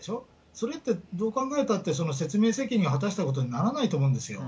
それってどう考えたって、説明責任を果たしたことにならないと思うんですよ。